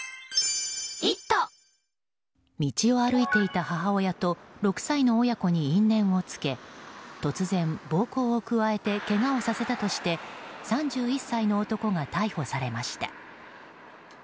道を歩いていた母親と６歳の親子に因縁をつけ突然暴行を加えてけがをさせたとして３１歳の男が逮捕されました。